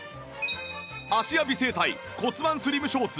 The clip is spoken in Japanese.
芦屋美整体骨盤スリムショーツエアリー